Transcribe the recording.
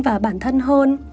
và bản thân hơn